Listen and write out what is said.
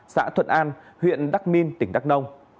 xã thuận an huyện đắk minh tỉnh đắk nông